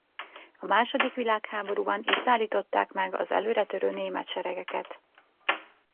A második világháborúban itt állították meg az előretörő német seregeket.